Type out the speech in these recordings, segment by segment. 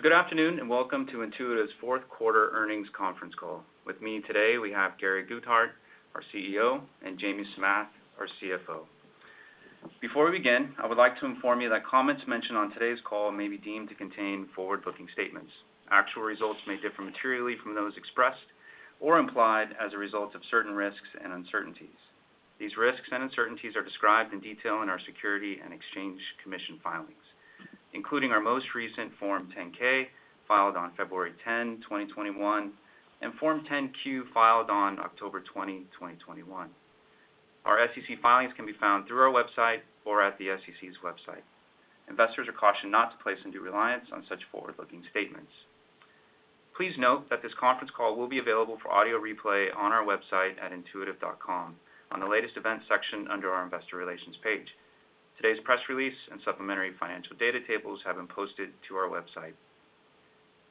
Good afternoon, and welcome to Intuitive's fourth quarter earnings conference call. With me today, we have Gary Guthart, our CEO, and Jamie Samath, our CFO. Before we begin, I would like to inform you that comments mentioned on today's call may be deemed to contain forward-looking statements. Actual results may differ materially from those expressed or implied as a result of certain risks and uncertainties. These risks and uncertainties are described in detail in our Securities and Exchange Commission filings, including our most recent Form 10-K filed on February 10, 2021, and Form 10-Q filed on October 20, 2021. Our SEC filings can be found through our website or at the SEC's website. Investors are cautioned not to place undue reliance on such forward-looking statements. Please note that this conference call will be available for audio replay on our website at intuitive.com on the Latest Events section under our Investor Relations page. Today's press release and supplementary financial data tables have been posted to our website.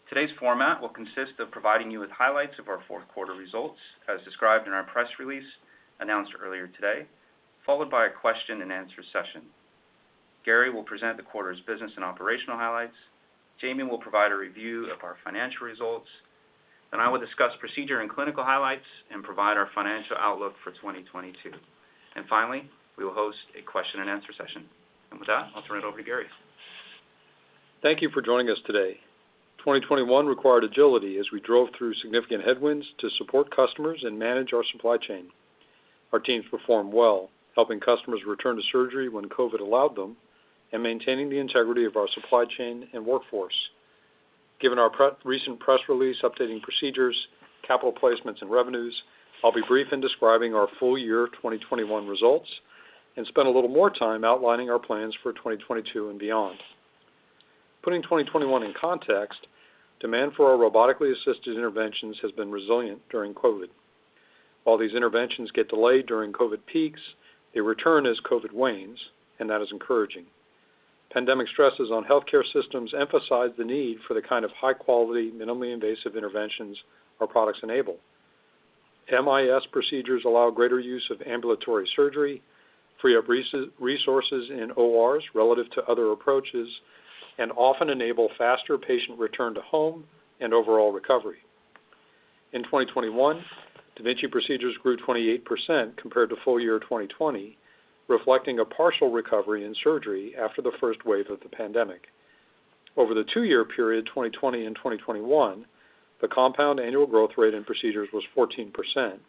Today's format will consist of providing you with highlights of our fourth quarter results, as described in our press release announced earlier today, followed by a question and answer session. Gary will present the quarter's business and operational highlights. Jamie will provide a review of our financial results. Then I will discuss procedure and clinical highlights and provide our financial outlook for 2022. Finally, we will host a question and answer session. With that, I'll turn it over to Gary. Thank you for joining us today. 2021 required agility as we drove through significant headwinds to support customers and manage our supply chain. Our teams performed well, helping customers return to surgery when COVID allowed them and maintaining the integrity of our supply chain and workforce. Given our recent press release updating procedures, capital placements and revenues, I'll be brief in describing our full year 2021 results and spend a little more time outlining our plans for 2022 and beyond. Putting 2021 in context, demand for our robotically assisted interventions has been resilient during COVID. While these interventions get delayed during COVID peaks, they return as COVID wanes, and that is encouraging. Pandemic stresses on healthcare systems emphasize the need for the kind of high quality, minimally invasive interventions our products enable. MIS procedures allow greater use of ambulatory surgery, free up resources in ORs relative to other approaches, and often enable faster patient return to home and overall recovery. In 2021, da Vinci procedures grew 28% compared to full year 2020, reflecting a partial recovery in surgery after the first wave of the pandemic. Over the two-year period, 2020 and 2021, the compound annual growth rate in procedures was 14%.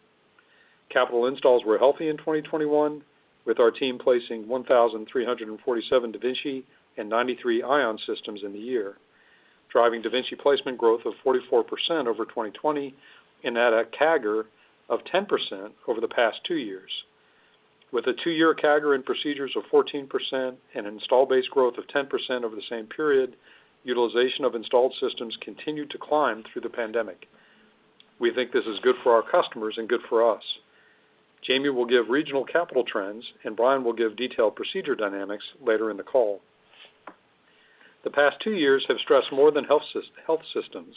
Capital installs were healthy in 2021, with our team placing 1,347 da Vinci and 93 Ion systems in the year, driving da Vinci placement growth of 44% over 2020 and at a CAGR of 10% over the past two years. With a two-year CAGR in procedures of 14% and installed base growth of 10% over the same period, utilization of installed systems continued to climb through the pandemic. We think this is good for our customers and good for us. Jamie will give regional capital trends, and Brian will give detailed procedure dynamics later in the call. The past two years have stressed more than health systems.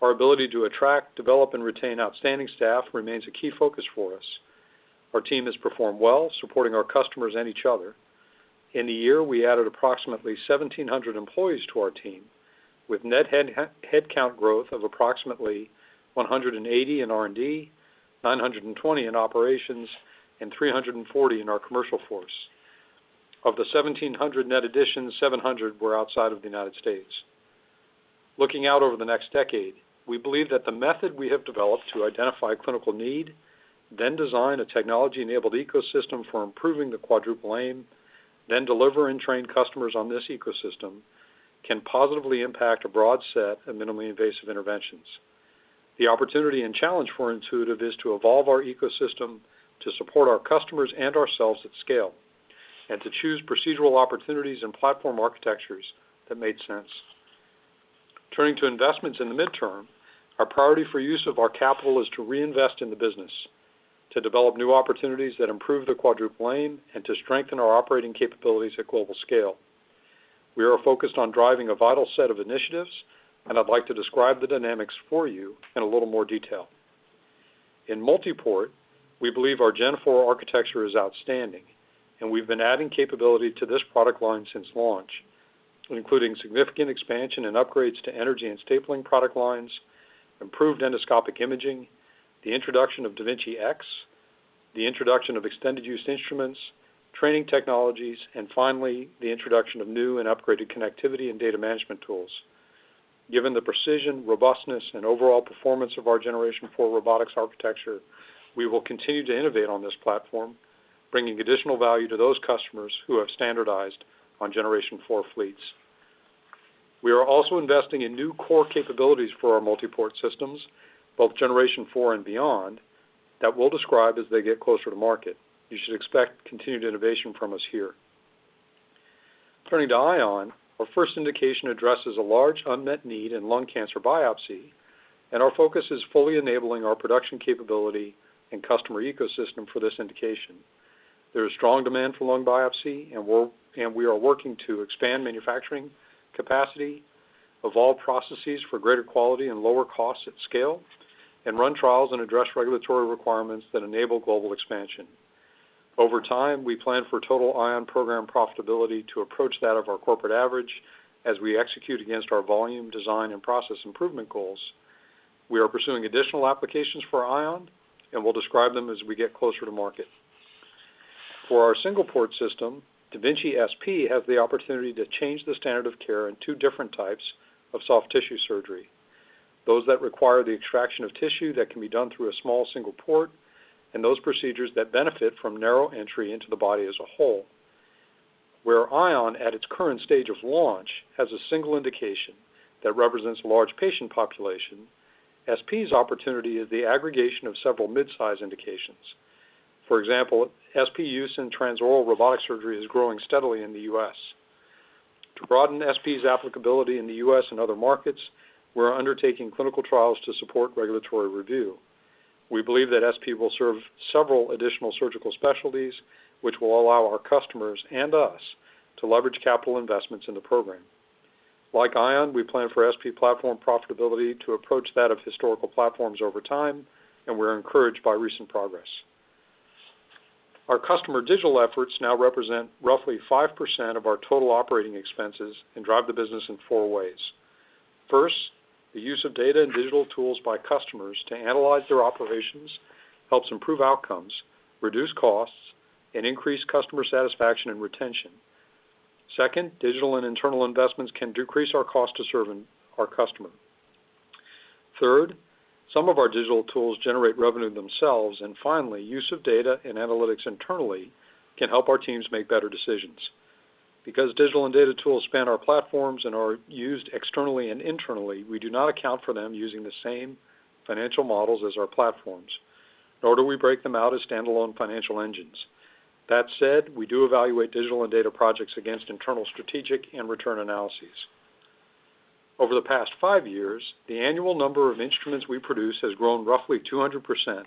Our ability to attract, develop and retain outstanding staff remains a key focus for us. Our team has performed well, supporting our customers and each other. In the year, we added approximately 1,700 employees to our team, with net headcount growth of approximately 180 in R&D, 920 in operations, and 340 in our commercial force. Of the 1,700 net additions, 700 were outside of the United States. Looking out over the next decade, we believe that the method we have developed to identify clinical need, then design a technology-enabled ecosystem for improving the Quadruple Aim, then deliver and train customers on this ecosystem, can positively impact a broad set of minimally invasive interventions. The opportunity and challenge for Intuitive is to evolve our ecosystem to support our customers and ourselves at scale, and to choose procedural opportunities and platform architectures that made sense. Turning to investments in the midterm, our priority for use of our capital is to reinvest in the business, to develop new opportunities that improve the Quadruple Aim, and to strengthen our operating capabilities at global scale. We are focused on driving a vital set of initiatives, and I'd like to describe the dynamics for you in a little more detail. In multiport, we believe our Gen4 architecture is outstanding, and we've been adding capability to this product line since launch, including significant expansion and upgrades to energy and stapling product lines, improved endoscopic imaging, the introduction of da Vinci X, the introduction of extended use instruments, training technologies, and finally, the introduction of new and upgraded connectivity and data management tools. Given the precision, robustness, and overall performance of our Generation 4 robotics architecture, we will continue to innovate on this platform, bringing additional value to those customers who have standardized on Generation 4 fleets. We are also investing in new core capabilities for our multiport systems, both Generation 4 and beyond, that we'll describe as they get closer to market. You should expect continued innovation from us here. Turning to Ion, our first indication addresses a large unmet need in lung cancer biopsy, and our focus is fully enabling our production capability and customer ecosystem for this indication. There is strong demand for lung biopsy and we are working to expand manufacturing capacity, evolve processes for greater quality and lower cost at scale, and run trials and address regulatory requirements that enable global expansion. Over time, we plan for total Ion program profitability to approach that of our corporate average as we execute against our volume design and process improvement goals. We are pursuing additional applications for Ion, and we'll describe them as we get closer to market. For our single port system, da Vinci SP has the opportunity to change the standard of care in two different types of soft tissue surgery. Those that require the extraction of tissue that can be done through a small single port, and those procedures that benefit from narrow entry into the body as a whole. Where Ion at its current stage of launch has a single indication that represents a large patient population, SP's opportunity is the aggregation of several mid-size indications. For example, SP use in transoral robotic surgery is growing steadily in the U.S. To broaden SP's applicability in the U.S. and other markets, we're undertaking clinical trials to support regulatory review. We believe that SP will serve several additional surgical specialties, which will allow our customers and us to leverage capital investments in the program. Like Ion, we plan for SP platform profitability to approach that of historical platforms over time, and we're encouraged by recent progress. Our customer digital efforts now represent roughly 5% of our total operating expenses and drive the business in four ways. First, the use of data and digital tools by customers to analyze their operations helps improve outcomes, reduce costs, and increase customer satisfaction and retention. Second, digital and internal investments can decrease our cost to serving our customer. Third, some of our digital tools generate revenue themselves. Finally, use of data and analytics internally can help our teams make better decisions. Because digital and data tools span our platforms and are used externally and internally, we do not account for them using the same financial models as our platforms, nor do we break them out as standalone financial engines. That said, we do evaluate digital and data projects against internal strategic and return analyses. Over the past five years, the annual number of instruments we produce has grown roughly 200%,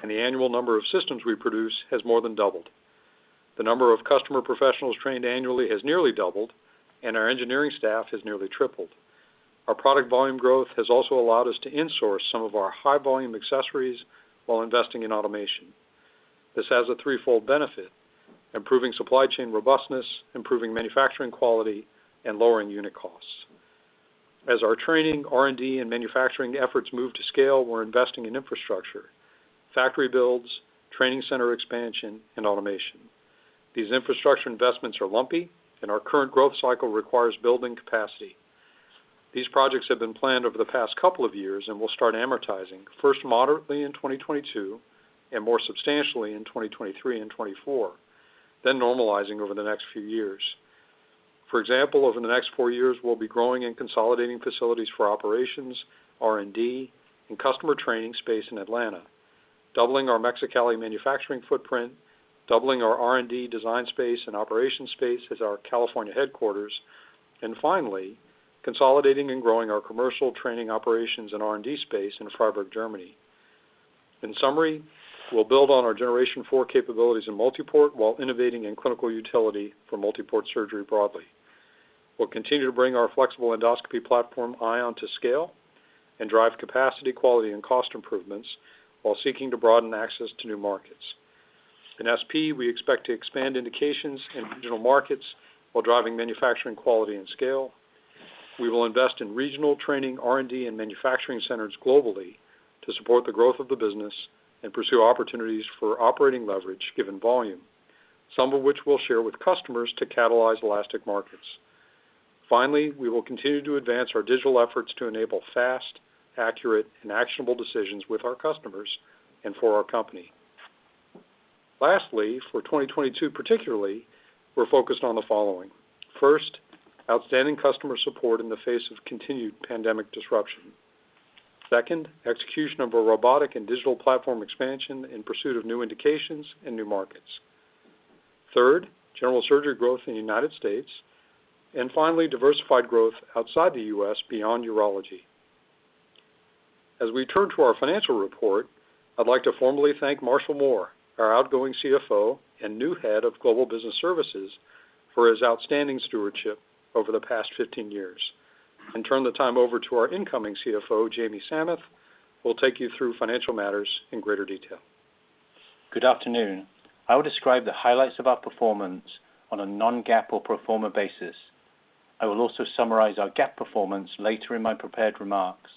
and the annual number of systems we produce has more than doubled. The number of customer professionals trained annually has nearly doubled, and our engineering staff has nearly tripled. Our product volume growth has also allowed us to insource some of our high volume accessories while investing in automation. This has a threefold benefit, improving supply chain robustness, improving manufacturing quality, and lowering unit costs. As our training, R&D, and manufacturing efforts move to scale, we're investing in infrastructure, factory builds, training center expansion, and automation. These infrastructure investments are lumpy, and our current growth cycle requires building capacity. These projects have been planned over the past couple of years and will start amortizing, first moderately in 2022, and more substantially in 2023 and 2024, then normalizing over the next few years. For example, over the next four years, we'll be growing and consolidating facilities for operations, R&D, and customer training space in Atlanta, doubling our Mexicali manufacturing footprint, doubling our R&D design space and operation space at our California headquarters, and finally, consolidating and growing our commercial training operations and R&D space in Freiburg, Germany. In summary, we'll build on our Generation 4 capabilities in multiport while innovating in clinical utility for multiport surgery broadly. We'll continue to bring our flexible endoscopy platform Ion to scale and drive capacity, quality, and cost improvements while seeking to broaden access to new markets. In SP, we expect to expand indications in regional markets while driving manufacturing quality and scale. We will invest in regional training, R&D, and manufacturing centers globally to support the growth of the business and pursue opportunities for operating leverage given volume, some of which we'll share with customers to catalyze elastic markets. Finally, we will continue to advance our digital efforts to enable fast, accurate, and actionable decisions with our customers and for our company. Lastly, for 2022 particularly, we're focused on the following. First, outstanding customer support in the face of continued pandemic disruption. Second, execution of a robotic and digital platform expansion in pursuit of new indications and new markets. Third, general surgery growth in the United States. Finally, diversified growth outside the U.S. beyond urology. As we turn to our financial report, I'd like to formally thank Marshall Mohr, our outgoing CFO and new head of Global Business Services, for his outstanding stewardship over the past 15 years, and turn the time over to our incoming CFO, Jamie Samath, who will take you through financial matters in greater detail. Good afternoon. I will describe the highlights of our performance on a non-GAAP or pro forma basis. I will also summarize our GAAP performance later in my prepared remarks.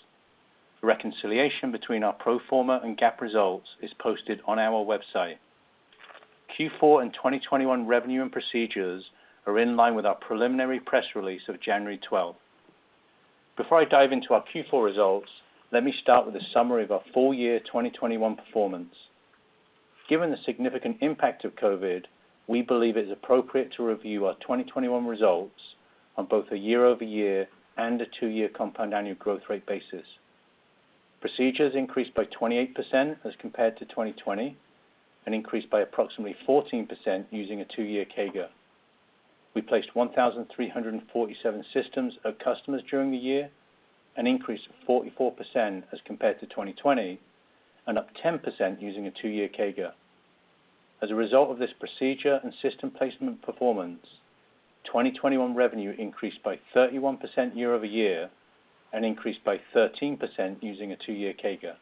The reconciliation between our pro forma and GAAP results is posted on our website. Q4 and 2021 revenue and procedures are in line with our preliminary press release of January 12. Before I dive into our Q4 results, let me start with a summary of our full year 2021 performance. Given the significant impact of COVID, we believe it's appropriate to review our 2021 results on both a year-over-year and a two-year compound annual growth rate basis. Procedures increased by 28% as compared to 2020, and increased by approximately 14% using a two-year CAGR. We placed 1,347 systems to customers during the year, an increase of 44% as compared to 2020, and up 10% using a two-year CAGR. As a result of this procedure and system placement performance, 2021 revenue increased by 31% year-over-year and increased by 13% using a two-year CAGR.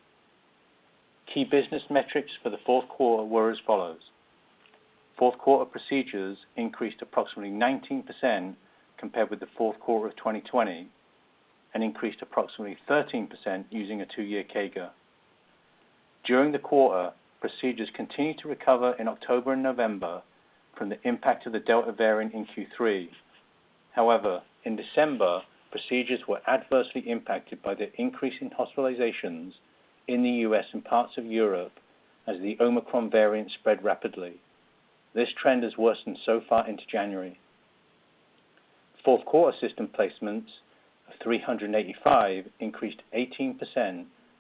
Key business metrics for the fourth quarter were as follows. Fourth quarter procedures increased approximately 19% compared with the fourth quarter of 2020, and increased approximately 13% using a two-year CAGR. During the quarter, procedures continued to recover in October and November from the impact of the Delta variant in Q3. However, in December, procedures were adversely impacted by the increase in hospitalizations in the U.S. and parts of Europe as the Omicron variant spread rapidly. This trend has worsened so far into January. Fourth quarter system placements of 385 increased 18%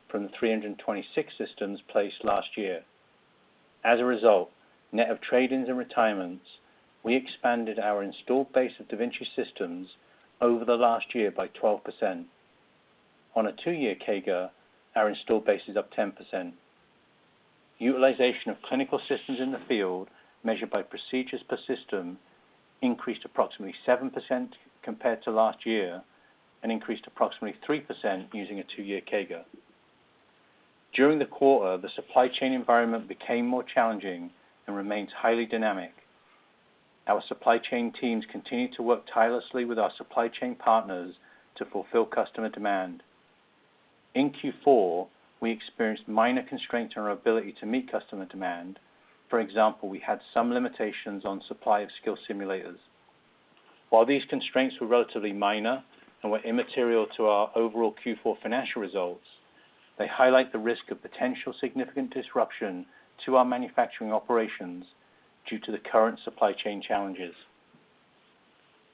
from the 326 systems placed last year. As a result, net of trade-ins and retirements, we expanded our installed base of da Vinci systems over the last year by 12%. On a two-year CAGR, our installed base is up 10%. Utilization of clinical systems in the field measured by procedures per system increased approximately 7% compared to last year, and increased approximately 3% using a two-year CAGR. During the quarter, the supply chain environment became more challenging and remains highly dynamic. Our supply chain teams continue to work tirelessly with our supply chain partners to fulfill customer demand. In Q4, we experienced minor constraints in our ability to meet customer demand. For example, we had some limitations on supply of skill simulators. While these constraints were relatively minor and were immaterial to our overall Q4 financial results, they highlight the risk of potential significant disruption to our manufacturing operations due to the current supply chain challenges.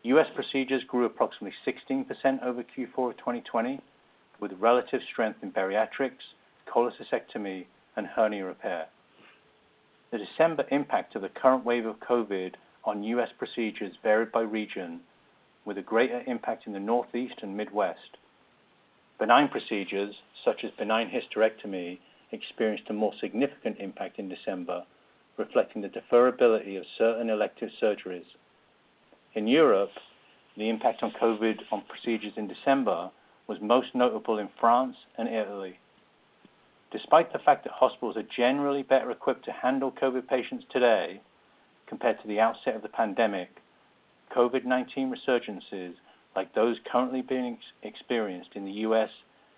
U.S. procedures grew approximately 16% over Q4 of 2020, with relative strength in bariatrics, cholecystectomy, and hernia repair. The December impact of the current wave of COVID on U.S. procedures varied by region, with a greater impact in the Northeast and Midwest. Benign procedures, such as benign hysterectomy, experienced a more significant impact in December, reflecting the deferability of certain elective surgeries. In Europe, the impact on COVID on procedures in December was most notable in France and Italy. Despite the fact that hospitals are generally better equipped to handle COVID patients today compared to the outset of the pandemic, COVID-19 resurgences, like those currently being experienced in the U.S.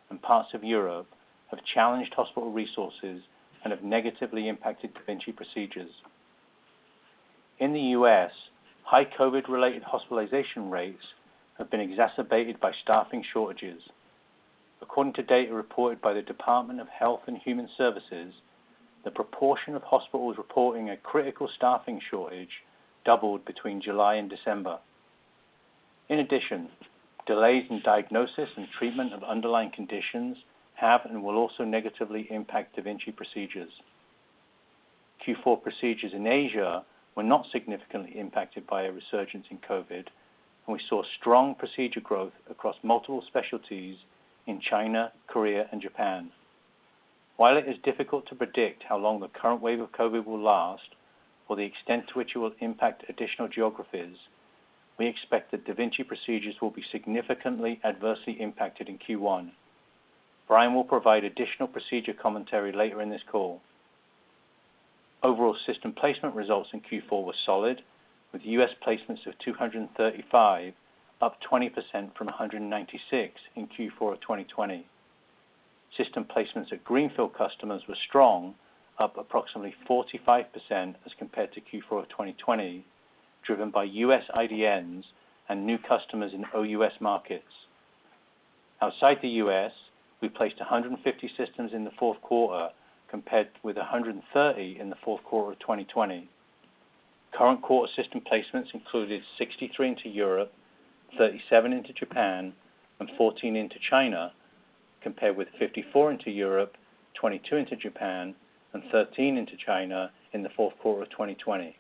and parts of Europe, have challenged hospital resources and have negatively impacted da Vinci procedures. In the U.S., high COVID-related hospitalization rates have been exacerbated by staffing shortages. According to data reported by the Department of Health and Human Services, the proportion of hospitals reporting a critical staffing shortage doubled between July and December. In addition, delays in diagnosis and treatment of underlying conditions have and will also negatively impact da Vinci procedures. Q4 procedures in Asia were not significantly impacted by a resurgence in COVID, and we saw strong procedure growth across multiple specialties in China, Korea, and Japan. While it is difficult to predict how long the current wave of COVID will last or the extent to which it will impact additional geographies, we expect that da Vinci procedures will be significantly adversely impacted in Q1. Brandon will provide additional procedure commentary later in this call. Overall system placement results in Q4 were solid, with U.S. placements of 235, up 20% from 196 in Q4 of 2020. System placements at greenfield customers were strong, up approximately 45% as compared to Q4 of 2020, driven by U.S. IDNs and new customers in OUS markets. Outside the U.S., we placed 150 systems in the fourth quarter, compared with 130 in the fourth quarter of 2020. Current quarter system placements included 63 into Europe, 37 into Japan, and 14 into China, compared with 54 into Europe, 22 into Japan, and 13 into China in the fourth quarter of 2020.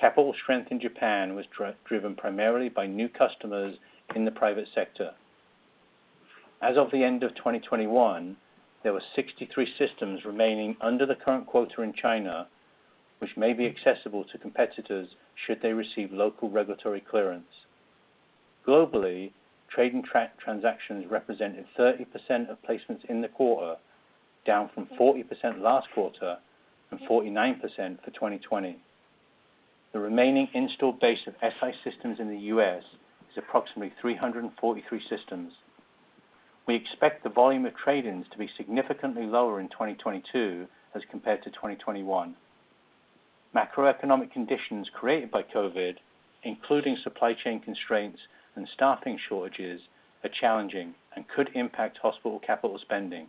Capital strength in Japan was driven primarily by new customers in the private sector. As of the end of 2021, there were 63 systems remaining under the current quota in China, which may be accessible to competitors should they receive local regulatory clearance. Globally, transactions represented 30% of placements in the quarter, down from 40% last quarter and 49% for 2020. The remaining installed base of Si systems in the U.S. is approximately 343 systems. We expect the volume of trade-ins to be significantly lower in 2022 as compared to 2021. Macroeconomic conditions created by COVID, including supply chain constraints and staffing shortages, are challenging and could impact hospital capital spending.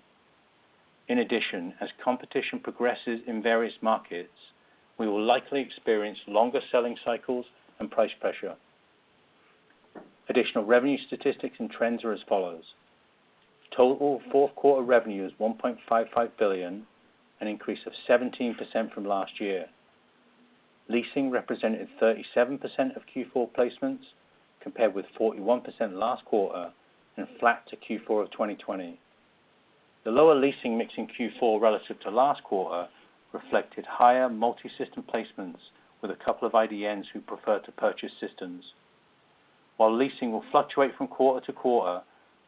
In addition, as competition progresses in various markets, we will likely experience longer selling cycles and price pressure. Additional revenue statistics and trends are as follows. Total fourth quarter revenue is $1.55 billion, an increase of 17% from last year. Leasing represented 37% of Q4 placements, compared with 41% last quarter and flat to Q4 of 2020. The lower leasing mix in Q4 relative to last quarter reflected higher multi-system placements with a couple of IDNs who prefer to purchase systems. While leasing will fluctuate from quarter to quarter,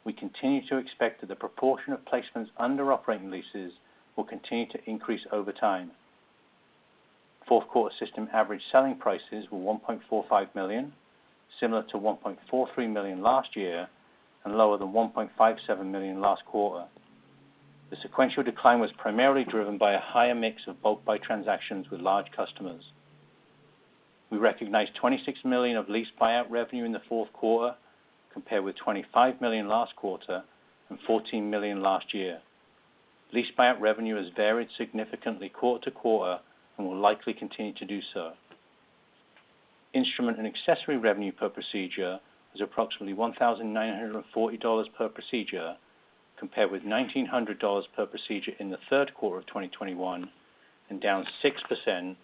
we continue to expect that the proportion of placements under operating leases will continue to increase over time. Fourth quarter system average selling prices were $1.45 million, similar to $1.43 million last year, and lower than $1.57 million last quarter. The sequential decline was primarily driven by a higher mix of bulk buy transactions with large customers. We recognized $26 million of lease buyout revenue in the fourth quarter, compared with $25 million last quarter and $14 million last year. Lease buyout revenue has varied significantly quarter to quarter and will likely continue to do so. Instrument and accessory revenue per procedure was approximately $1,940 per procedure, compared with $1,900 per procedure in the third quarter of 2021, and down 6%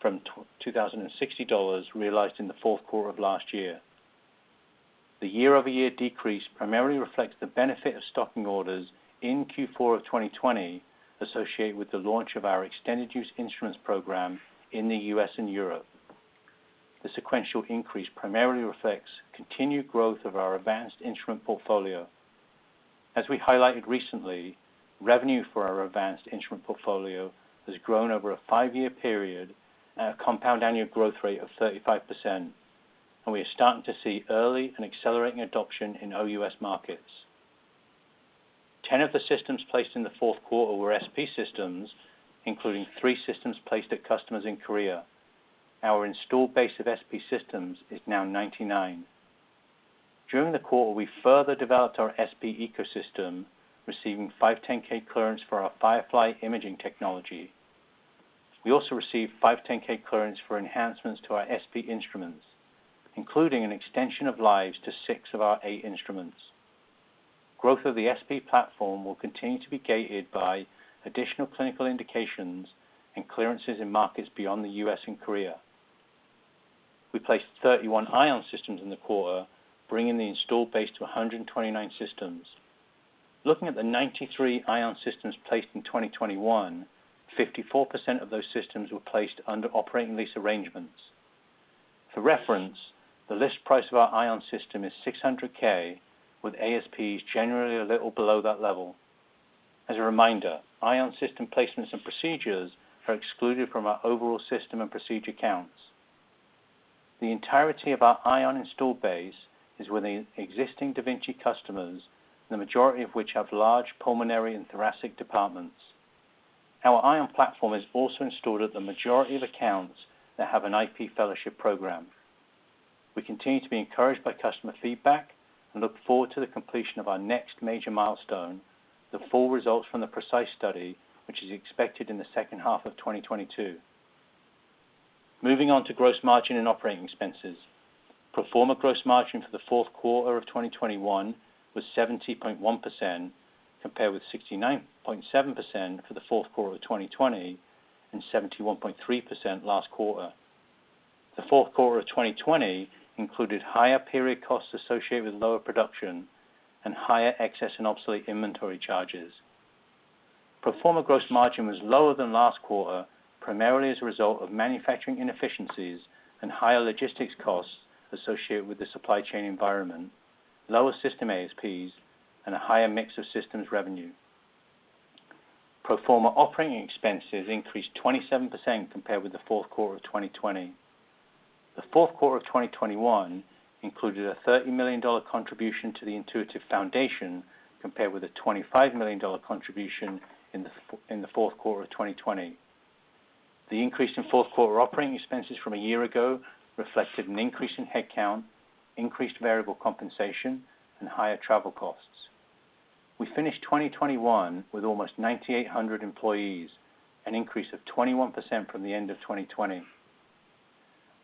from $2,060 realized in the fourth quarter of last year. The year-over-year decrease primarily reflects the benefit of stocking orders in Q4 of 2020 associated with the launch of our extended use instruments program in the U.S. and Europe. The sequential increase primarily reflects continued growth of our advanced instrument portfolio. As we highlighted recently, revenue for our advanced instrument portfolio has grown over a five-year period at a compound annual growth rate of 35%, and we are starting to see early and accelerating adoption in OUS markets. 10 of the systems placed in the fourth quarter were SP systems, including three systems placed at customers in Korea. Our installed base of SP systems is now 99. During the quarter, we further developed our SP ecosystem, receiving 510(k) clearance for our Firefly imaging technology. We also received 510(k) clearance for enhancements to our SP instruments, including an extension of lives to six of our eight instruments. Growth of the SP platform will continue to be gated by additional clinical indications and clearances in markets beyond the U.S. and Korea. We placed 31 ION systems in the quarter, bringing the installed base to 129 systems. Looking at the 93 ION systems placed in 2021, 54% of those systems were placed under operating lease arrangements. For reference, the list price of our ION system is $600,000, with ASPs generally a little below that level. As a reminder, ION system placements and procedures are excluded from our overall system and procedure counts. The entirety of our ION installed base is within existing da Vinci customers, the majority of which have large pulmonary and thoracic departments. Our ION platform is also installed at the majority of accounts that have an IP fellowship program. We continue to be encouraged by customer feedback and look forward to the completion of our next major milestone, the full results from the PRECISE study, which is expected in the second half of 2022. Moving on to gross margin and operating expenses. Pro forma gross margin for the fourth quarter of 2021 was 70.1%, compared with 69.7% for the fourth quarter of 2020 and 71.3% last quarter. The fourth quarter of 2020 included higher period costs associated with lower production and higher excess and obsolete inventory charges. Pro forma gross margin was lower than last quarter, primarily as a result of manufacturing inefficiencies and higher logistics costs associated with the supply chain environment, lower system ASPs, and a higher mix of systems revenue. Pro forma operating expenses increased 27% compared with the fourth quarter of 2020. The fourth quarter of 2021 included a $30 million contribution to the Intuitive Foundation, compared with a $25 million contribution in the fourth quarter of 2020. The increase in fourth quarter operating expenses from a year ago reflected an increase in headcount, increased variable compensation, and higher travel costs. We finished 2021 with almost 9,800 employees, an increase of 21% from the end of 2020.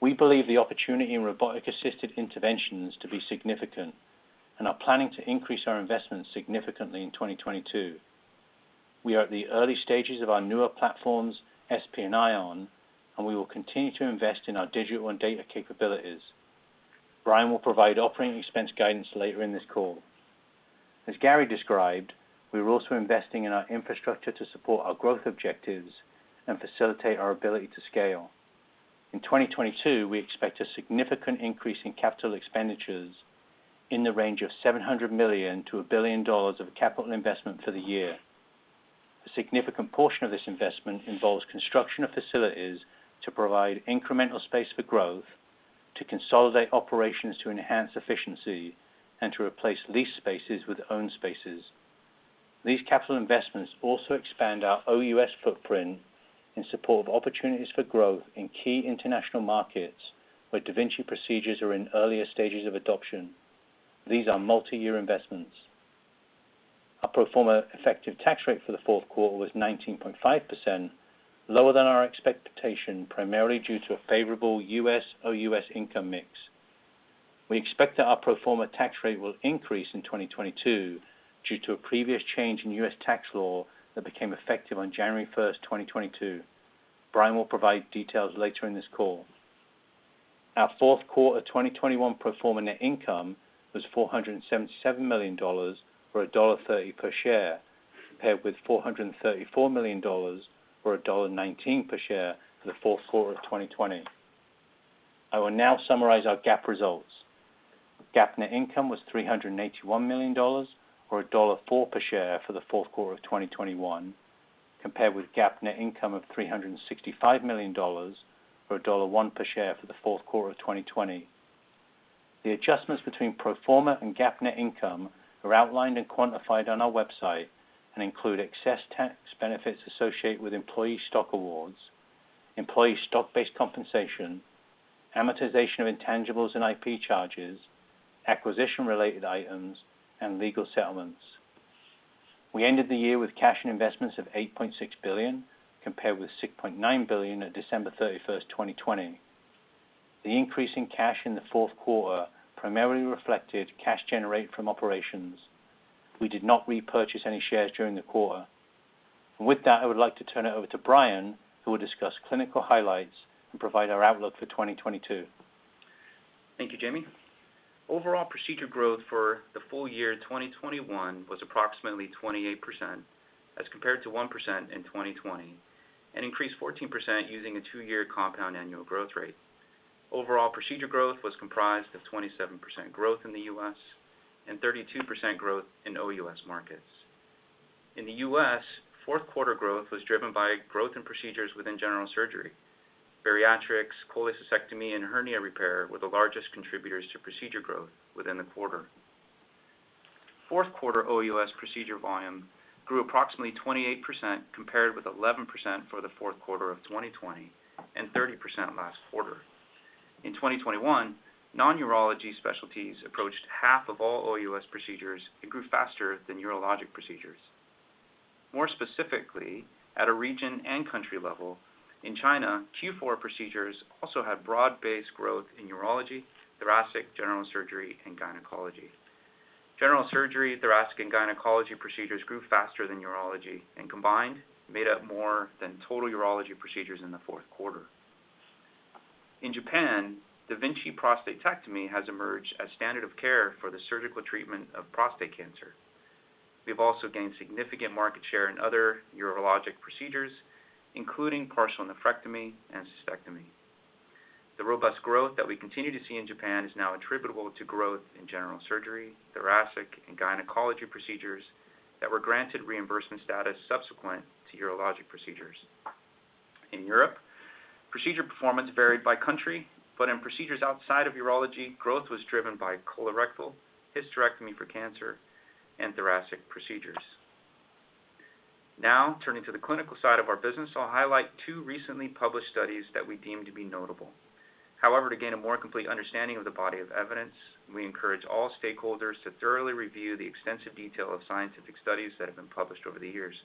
We believe the opportunity in robotic-assisted interventions to be significant and are planning to increase our investments significantly in 2022. We are at the early stages of our newer platforms, SP and Ion, and we will continue to invest in our digital and data capabilities. Brian will provide operating expense guidance later in this call. As Gary described, we are also investing in our infrastructure to support our growth objectives and facilitate our ability to scale. In 2022, we expect a significant increase in capital expenditures in the range of $700 million-$1 billion of capital investment for the year. A significant portion of this investment involves construction of facilities to provide incremental space for growth, to consolidate operations to enhance efficiency, and to replace leased spaces with owned spaces. These capital investments also expand our OUS footprint in support of opportunities for growth in key international markets where da Vinci procedures are in earlier stages of adoption. These are multi-year investments. Our pro forma effective tax rate for the fourth quarter was 19.5%, lower than our expectation, primarily due to a favorable U.S. OUS income mix. We expect that our pro forma tax rate will increase in 2022 due to a previous change in U.S. tax law that became effective on January 1st, 2022. Brandon Lamm will provide details later in this call. Our fourth quarter 2021 pro forma net income was $477 million or $1.30 per share, paired with $434 million or $1.19 per share for the fourth quarter of 2020. I will now summarize our GAAP results. GAAP net income was $381 million or $1.04 per share for the fourth quarter of 2021, compared with GAAP net income of $365 million or $1.01 per share for the fourth quarter of 2020. The adjustments between pro forma and GAAP net income are outlined and quantified on our website and include excess tax benefits associated with employee stock awards, employee stock-based compensation, amortization of intangibles and IP charges, acquisition-related items, and legal settlements. We ended the year with cash and investments of $8.6 billion, compared with $6.9 billion at December 31st, 2020. The increase in cash in the fourth quarter primarily reflected cash generated from operations. We did not repurchase any shares during the quarter. With that, I would like to turn it over to Brandon Lamm, who will discuss clinical highlights and provide our outlook for 2022. Thank you, Jamie. Overall procedure growth for the full year 2021 was approximately 28% as compared to 1% in 2020, and increased 14% using a two-year compound annual growth rate. Overall procedure growth was comprised of 27% growth in the U.S. and 32% growth in OUS markets. In the U.S., fourth quarter growth was driven by growth in procedures within general surgery. Bariatrics, cholecystectomy, and hernia repair were the largest contributors to procedure growth within the quarter. Fourth quarter OUS procedure volume grew approximately 28% compared with 11% for the fourth quarter of 2020 and 30% last quarter. In 2021, non-urology specialties approached half of all OUS procedures and grew faster than urologic procedures. More specifically, at a region and country level, in China, Q4 procedures also had broad-based growth in urology, thoracic, general surgery, and gynecology. General surgery, thoracic, and gynecology procedures grew faster than urology, and combined, made up more than total urology procedures in the fourth quarter. In Japan, da Vinci prostatectomy has emerged as standard of care for the surgical treatment of prostate cancer. We have also gained significant market share in other urologic procedures, including partial nephrectomy and cystectomy. The robust growth that we continue to see in Japan is now attributable to growth in general surgery, thoracic, and gynecology procedures that were granted reimbursement status subsequent to urologic procedures. In Europe, procedure performance varied by country, but in procedures outside of urology, growth was driven by colorectal, hysterectomy for cancer, and thoracic procedures. Now, turning to the clinical side of our business, I'll highlight two recently published studies that we deem to be notable. However, to gain a more complete understanding of the body of evidence, we encourage all stakeholders to thoroughly review the extensive detail of scientific studies that have been published over the years.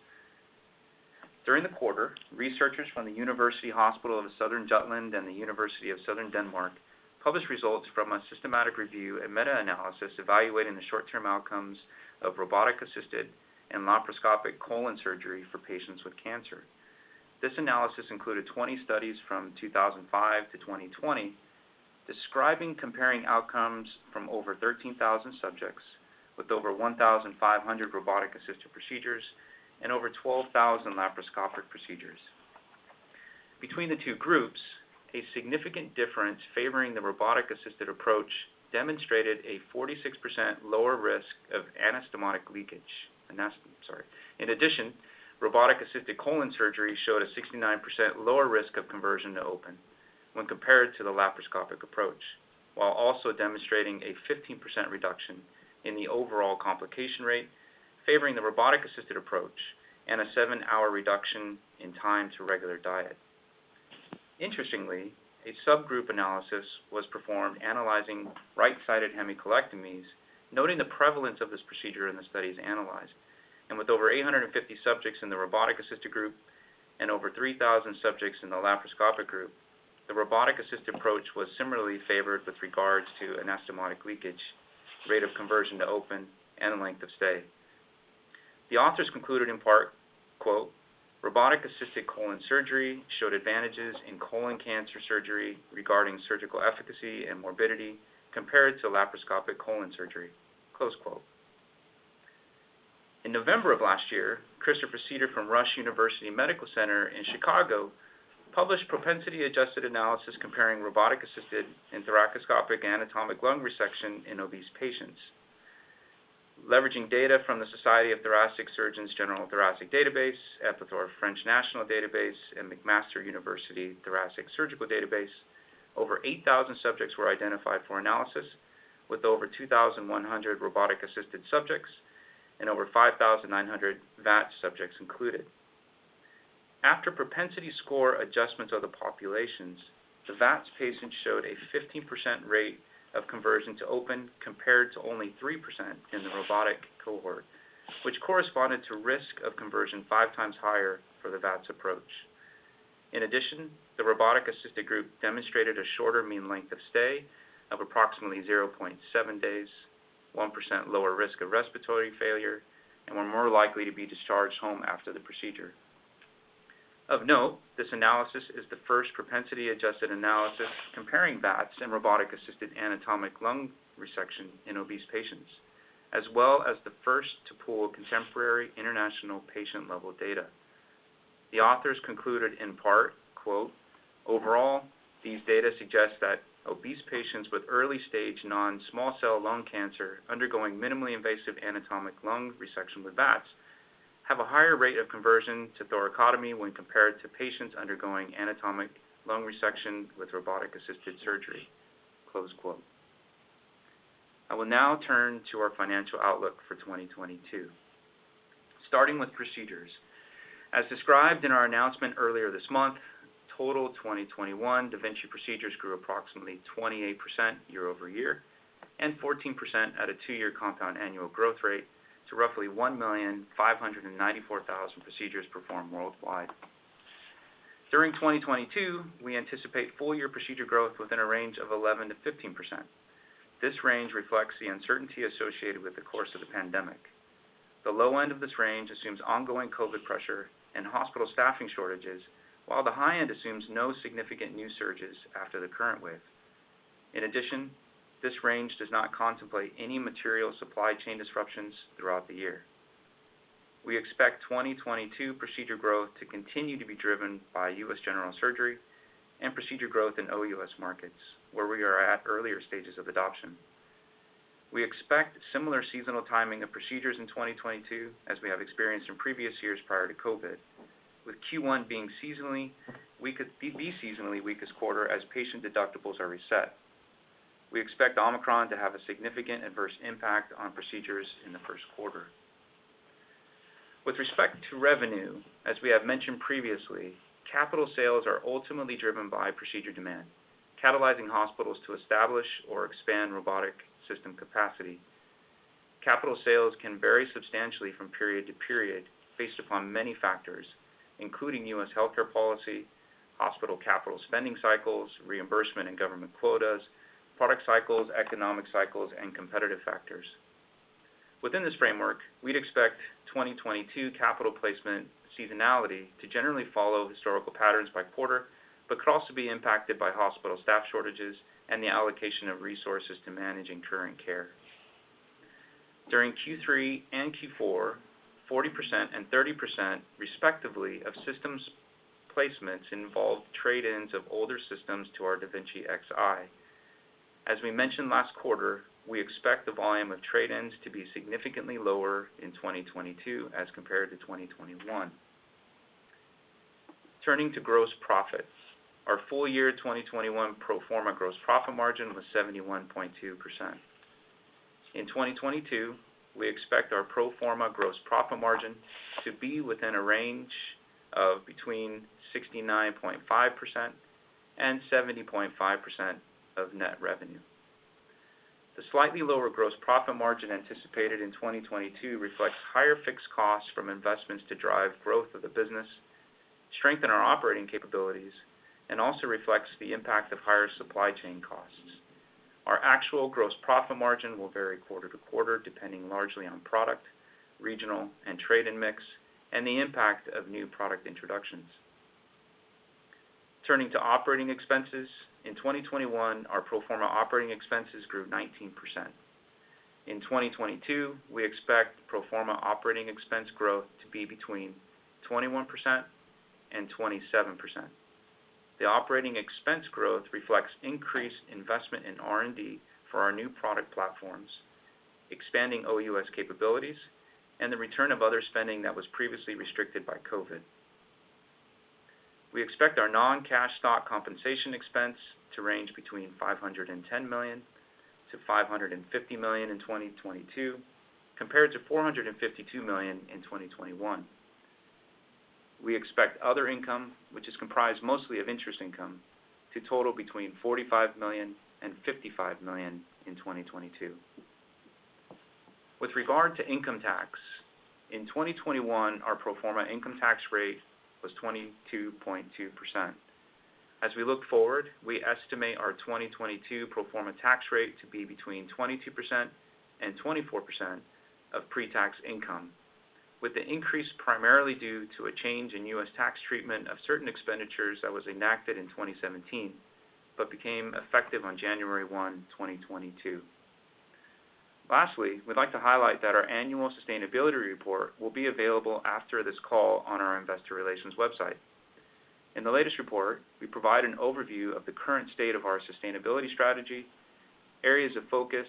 During the quarter, researchers from the University Hospital of Southern Jutland and the University of Southern Denmark published results from a systematic review and meta-analysis evaluating the short-term outcomes of robotic-assisted and laparoscopic colon surgery for patients with cancer. This analysis included 20 studies from 2005-2020 describing comparing outcomes from over 13,000 subjects with over 1,500 robotic-assisted procedures and over 12,000 laparoscopic procedures. Between the two groups, a significant difference favoring the robotic-assisted approach demonstrated a 46% lower risk of anastomotic leakage. Sorry. In addition, robotic-assisted colon surgery showed a 69% lower risk of conversion to open when compared to the laparoscopic approach, while also demonstrating a 15% reduction in the overall complication rate favoring the robotic-assisted approach and a seven hour reduction in time to regular diet. Interestingly, a subgroup analysis was performed analyzing right-sided hemicolectomies, noting the prevalence of this procedure in the studies analyzed. With over 850 subjects in the robotic-assisted group and over 3,000 subjects in the laparoscopic group, the robotic-assisted approach was similarly favored with regards to anastomotic leakage, rate of conversion to open, and length of stay. The authors concluded in part, quote, "Robotic-assisted colon surgery showed advantages in colon cancer surgery regarding surgical efficacy and morbidity compared to laparoscopic colon surgery." Close quote. In November of last year, Christopher Seder from Rush University Medical Center in Chicago published propensity-adjusted analysis comparing robotic-assisted and thoracoscopic anatomic lung resection in obese patients. Leveraging data from the Society of Thoracic Surgeons General Thoracic Surgery Database, EPITHOR French National Database, and McMaster University Thoracic Surgical Database, over 8,000 subjects were identified for analysis, with over 2,100 robotic-assisted subjects and over 5,900 VATS subjects included. After propensity score adjustments of the populations, the VATS patients showed a 15% rate of conversion to open compared to only 3% in the robotic cohort, which corresponded to risk of conversion 5x higher for the VATS approach. In addition, the robotic-assisted group demonstrated a shorter mean length of stay of approximately 0.7 days, 1% lower risk of respiratory failure, and were more likely to be discharged home after the procedure. Of note, this analysis is the first propensity adjusted analysis comparing VATS and robotic-assisted anatomic lung resection in obese patients, as well as the first to pool contemporary international patient level data. The authors concluded in part, quote, "Overall, these data suggest that obese patients with early-stage non-small cell lung cancer undergoing minimally invasive anatomic lung resection with VATS have a higher rate of conversion to thoracotomy when compared to patients undergoing anatomic lung resection with robotic-assisted surgery." Close quote. I will now turn to our financial outlook for 2022. Starting with procedures. As described in our announcement earlier this month, total 2021 da Vinci procedures grew approximately 28% year-over-year and 14% at a two year compound annual growth rate to roughly 1,594,000 procedures performed worldwide. During 2022, we anticipate full-year procedure growth within a range of 11%-15%. This range reflects the uncertainty associated with the course of the pandemic. The low end of this range assumes ongoing COVID pressure and hospital staffing shortages, while the high end assumes no significant new surges after the current wave. In addition, this range does not contemplate any material supply chain disruptions throughout the year. We expect 2022 procedure growth to continue to be driven by U.S. general surgery and procedure growth in OUS markets, where we are at earlier stages of adoption. We expect similar seasonal timing of procedures in 2022, as we have experienced in previous years prior to COVID, with Q1 being seasonally weakest quarter as patient deductibles are reset. We expect Omicron to have a significant adverse impact on procedures in the first quarter. With respect to revenue, as we have mentioned previously, capital sales are ultimately driven by procedure demand, catalyzing hospitals to establish or expand robotic system capacity. Capital sales can vary substantially from period to period based upon many factors, including U.S. healthcare policy, hospital capital spending cycles, reimbursement and government quotas, product cycles, economic cycles, and competitive factors. Within this framework, we'd expect 2022 capital placement seasonality to generally follow historical patterns by quarter, but could also be impacted by hospital staff shortages and the allocation of resources to managing current care. During Q3 and Q4, 40% and 30%, respectively, of systems placements involved trade-ins of older systems to our da Vinci Xi. As we mentioned last quarter, we expect the volume of trade-ins to be significantly lower in 2022 as compared to 2021. Turning to gross profits. Our full year 2021 pro forma gross profit margin was 71.2%. In 2022, we expect our pro forma gross profit margin to be within a range of between 69.5% and 70.5% of net revenue. The slightly lower gross profit margin anticipated in 2022 reflects higher fixed costs from investments to drive growth of the business, strengthen our operating capabilities, and also reflects the impact of higher supply chain costs. Our actual gross profit margin will vary quarter-to-quarter, depending largely on product, regional, and trade and mix, and the impact of new product introductions. Turning to operating expenses. In 2021, our pro forma operating expenses grew 19%. In 2022, we expect pro forma operating expense growth to be between 21% and 27%. The operating expense growth reflects increased investment in R&D for our new product platforms, expanding OUS capabilities, and the return of other spending that was previously restricted by COVID. We expect our non-cash stock compensation expense to range between $510 million and $550 million in 2022, compared to $452 million in 2021. We expect other income, which is comprised mostly of interest income, to total between $45 million and $55 million in 2022. With regard to income tax, in 2021, our pro forma income tax rate was 22.2%. As we look forward, we estimate our 2022 pro forma tax rate to be between 22% and 24% of pre-tax income, with the increase primarily due to a change in U.S. tax treatment of certain expenditures that was enacted in 2017 but became effective on January 1, 2022. Lastly, we'd like to highlight that our annual sustainability report will be available after this call on our investor relations website. In the latest report, we provide an overview of the current state of our sustainability strategy, areas of focus,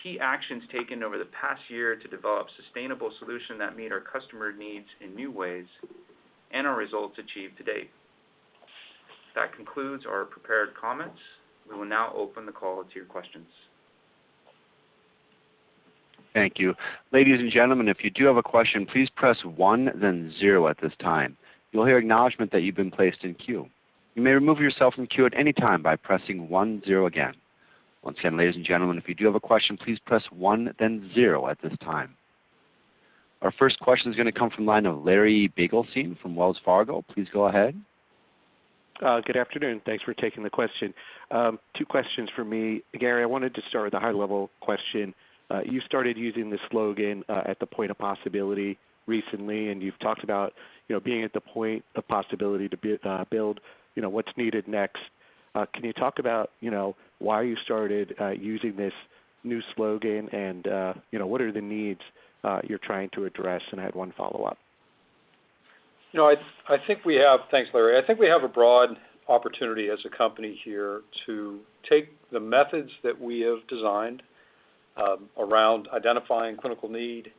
key actions taken over the past year to develop sustainable solution that meet our customer needs in new ways, and our results achieved to date. That concludes our prepared comments. We will now open the call to your questions. Thank you. Ladies and gentlemen, if you do have a question, please press one then zero at this time. You will hear acknowledgement that you've been placed in queue. You may remove yourself from queue at any time by pressing one zero again. Once again, ladies and gentlemen, if you do have a question, please press one then zero at this time. Our first question is gonna come from line of Larry Biegelsen from Wells Fargo. Please go ahead. Good afternoon. Thanks for taking the question. Two questions for me. Gary, I wanted to start with a high level question. You started using the slogan at the point of possibility recently, and you've talked about, you know, being at the point of possibility to build, you know, what's needed next. Can you talk about, you know, why you started using this new slogan and, you know, what are the needs you're trying to address? I had one follow-up. No, I think we have. Thanks, Larry. I think we have a broad opportunity as a company here to take the methods that we have designed around identifying clinical need,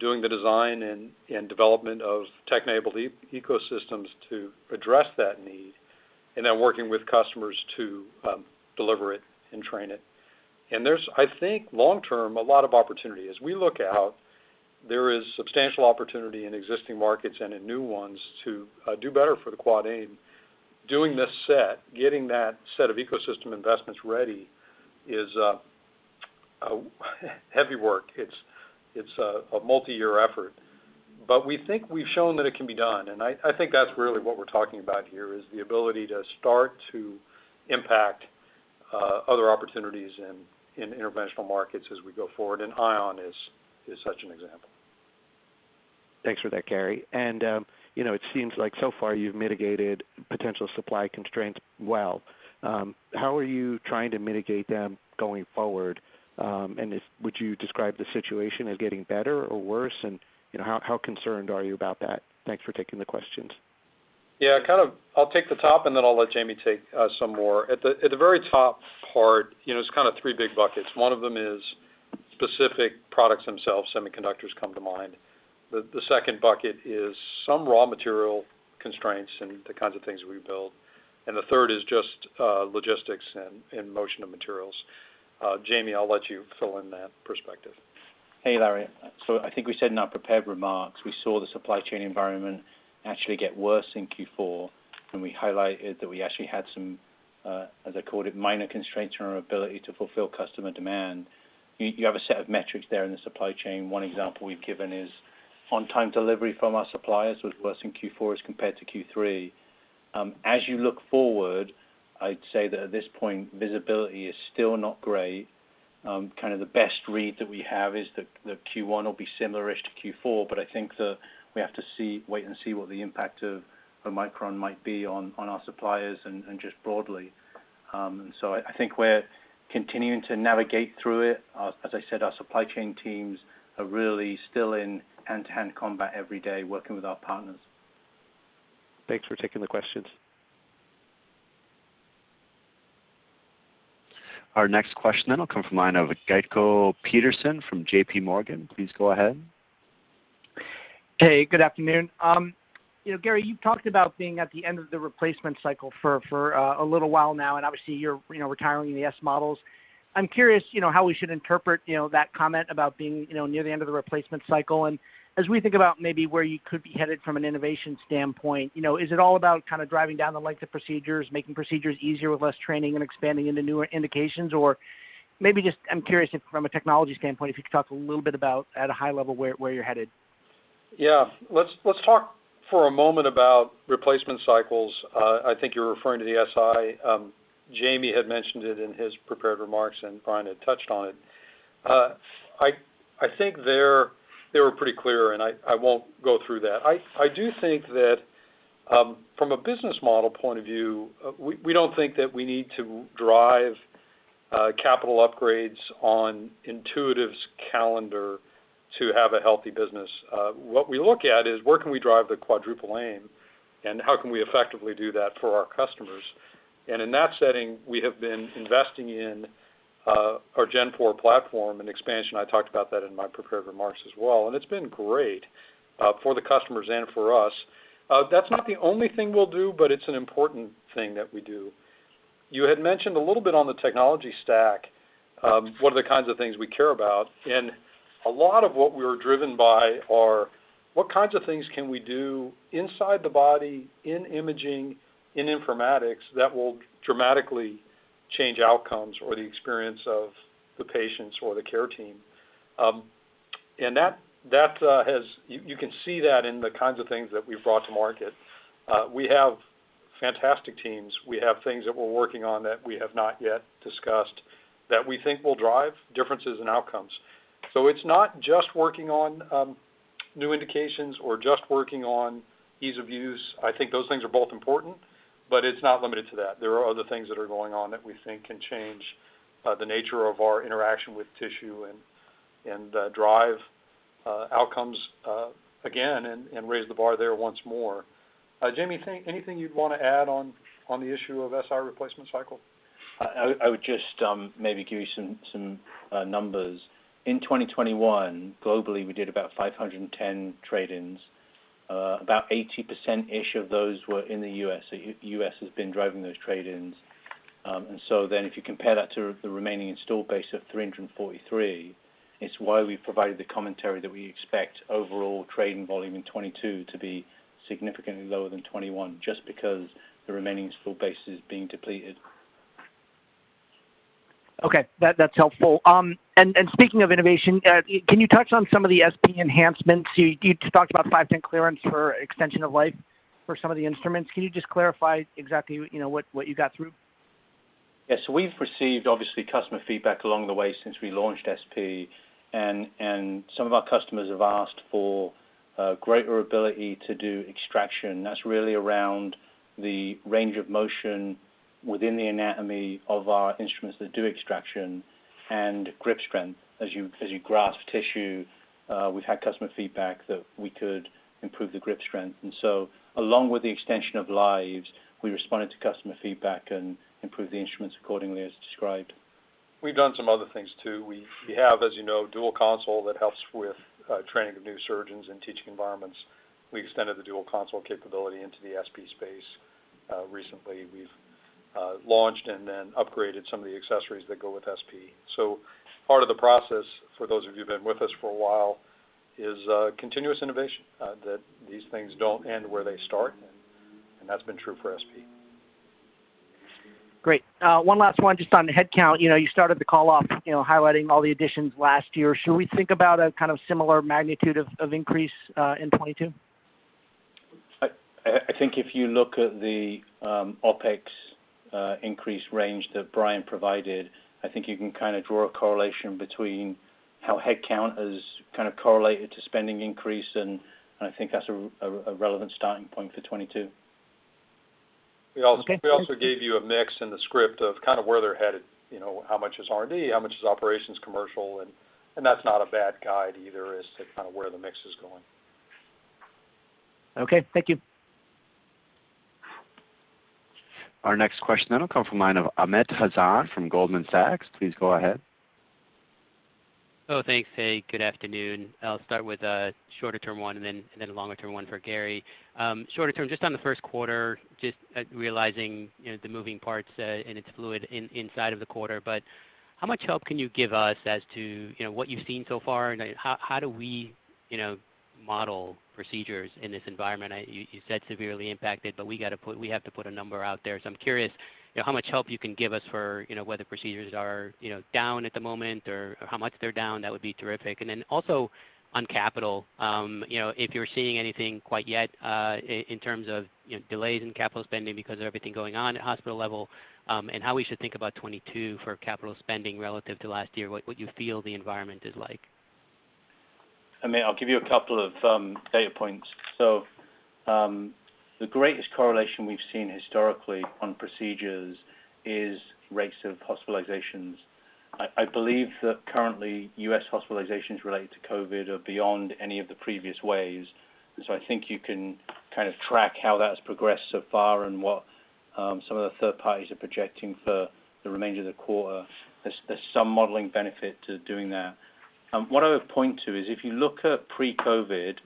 doing the design and development of tech-enabled ecosystems to address that need, and then working with customers to deliver it and train it. There's, I think, long term, a lot of opportunity. As we look out, there is substantial opportunity in existing markets and in new ones to do better for the Quad Aim. Doing this set, getting that set of ecosystem investments ready is a heavy work. It's a multiyear effort, but we think we've shown that it can be done. I think that's really what we're talking about here is the ability to start to impact other opportunities in interventional markets as we go forward, and Ion is such an example. Thanks for that, Gary. You know, it seems like so far you've mitigated potential supply constraints well. How are you trying to mitigate them going forward? Would you describe the situation as getting better or worse? You know, how concerned are you about that? Thanks for taking the questions. Yeah, kind of. I'll take the top, and then I'll let Jamie take some more. At the very top part, you know, it's kind of three big buckets. One of them is specific products themselves, semiconductors come to mind. The second bucket is some raw material constraints and the kinds of things we build, and the third is just logistics and motion of materials. Jamie, I'll let you fill in that perspective. Hey, Larry. I think we said in our prepared remarks, we saw the supply chain environment actually get worse in Q4, and we highlighted that we actually had some, as I called it, minor constraints in our ability to fulfill customer demand. You have a set of metrics there in the supply chain. One example we've given is on-time delivery from our suppliers was worse in Q4 as compared to Q3. As you look forward, I'd say that at this point, visibility is still not great. Kind of the best read that we have is that Q1 will be similar-ish to Q4, but I think that we have to wait and see what the impact of Omicron might be on our suppliers and just broadly. I think we're continuing to navigate through it. As I said, our supply chain teams are really still in hand-to-hand combat every day working with our partners. Thanks for taking the questions. Our next question will come from the line of Robbie Marcus from JPMorgan. Please go ahead. Hey, good afternoon. You know, Gary, you've talked about being at the end of the replacement cycle for a little while now, and obviously you're, you know, retiring the S models. I'm curious, you know, how we should interpret, you know, that comment about being, you know, near the end of the replacement cycle. As we think about maybe where you could be headed from an innovation standpoint, you know, is it all about kind of driving down the length of procedures, making procedures easier with less training and expanding into newer indications? Or maybe just, I'm curious if from a technology standpoint, if you could talk a little bit about at a high level where you're headed. Yeah. Let's talk for a moment about replacement cycles. I think you're referring to the Si. Jamie had mentioned it in his prepared remarks, and Brandon had touched on it. I think they were pretty clear, and I won't go through that. I do think that from a business model point of view, we don't think that we need to drive capital upgrades on Intuitive's calendar to have a healthy business. What we look at is where can we drive the Quadruple Aim, and how can we effectively do that for our customers? In that setting, we have been investing in our Gen4 platform and expansion. I talked about that in my prepared remarks as well, and it's been great for the customers and for us. That's not the only thing we'll do, but it's an important thing that we do. You had mentioned a little bit on the technology stack, what are the kinds of things we care about. A lot of what we were driven by are what kinds of things can we do inside the body, in imaging, in informatics that will dramatically change outcomes or the experience of the patients or the care team. That you can see that in the kinds of things that we've brought to market. We have fantastic teams. We have things that we're working on that we have not yet discussed that we think will drive differences in outcomes. It's not just working on new indications or just working on ease of use. I think those things are both important, but it's not limited to that. There are other things that are going on that we think can change the nature of our interaction with tissue and drive outcomes again and raise the bar there once more. Jamie, anything you'd want to add on the issue of Si replacement cycle? I would just maybe give you some numbers. In 2021, globally, we did about 510 trade-ins. About 80%-ish of those were in the U.S. U.S. has been driving those trade-ins. If you compare that to the remaining installed base of 343, it's why we provided the commentary that we expect overall trade-in volume in 2022 to be significantly lower than 2021, just because the remaining installed base is being depleted. Okay. That's helpful. Speaking of innovation, can you touch on some of the SP enhancements? You talked about 510(k) clearance for extension of life for some of the instruments. Can you just clarify exactly, you know, what you got through? Yes, we've received obviously customer feedback along the way since we launched SP and some of our customers have asked for greater ability to do extraction. That's really around the range of motion within the anatomy of our instruments that do extraction and grip strength as you grasp tissue. We've had customer feedback that we could improve the grip strength. Along with the extension of lives, we responded to customer feedback and improved the instruments accordingly as described. We've done some other things too. We have, as you know, dual console that helps with training of new surgeons in teaching environments. We extended the dual console capability into the SP space. Recently, we've launched and then upgraded some of the accessories that go with SP. Part of the process, for those of you who've been with us for a while, is continuous innovation that these things don't end where they start, and that's been true for SP. Great. One last one just on the headcount. You know, you started the call off, you know, highlighting all the additions last year. Should we think about a kind of similar magnitude of increase in 2022? I think if you look at the OpEx increase range that Brian provided, I think you can kinda draw a correlation between how headcount is kind of correlated to spending increase, and I think that's a relevant starting point for 2022. Okay. We also gave you a mix in the script of kind of where they're headed, you know, how much is R&D, how much is operations commercial, and that's not a bad guide either as to kinda where the mix is going. Okay, thank you. Our next question then will come from the line of Amit Hazan from Goldman Sachs. Please go ahead. Oh, thanks. Hey, good afternoon. I'll start with a shorter term one and then a longer term one for Gary. Shorter term, just on the first quarter, realizing, you know, the moving parts, and it's fluid inside of the quarter, but how much help can you give us as to, you know, what you've seen so far and, like, how do we, you know, model procedures in this environment? You said severely impacted, but we have to put a number out there. So I'm curious, you know, how much help you can give us for, you know, whether procedures are, you know, down at the moment or how much they're down. That would be terrific. Also on capital, you know, if you're seeing anything quite yet, in terms of, you know, delays in capital spending because of everything going on at hospital level, and how we should think about 2022 for capital spending relative to last year, what you feel the environment is like? Amit, I'll give you a couple of data points. The greatest correlation we've seen historically on procedures is rates of hospitalizations. I believe that currently U.S. hospitalizations related to COVID are beyond any of the previous waves, and so I think you can kind of track how that's progressed so far and what some of the third parties are projecting for the remainder of the quarter. There's some modeling benefit to doing that. What I would point to is if you look at pre-COVID,